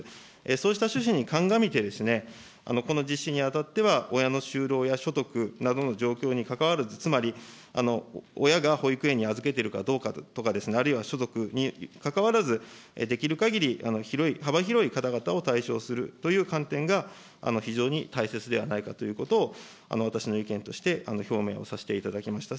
そうした趣旨に鑑みて、この実施にあたっては、親の就労や所得などの状況にかかわらず、つまり親が保育園に預けてるかどうかということですね、あるいは所得にかかわらず、できるかぎり広い、幅広い方々を対象とする観点が非常に大切ではないかということを私の意見として表明をさせていただきました。